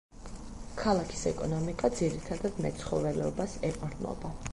ქალაქის ეკონომიკა ძირითადად მეცხოველეობას ეყრდნობა.